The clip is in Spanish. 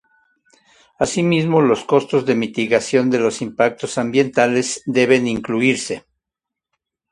Asimismo los costos de mitigación de los impactos ambientales deben incluirse.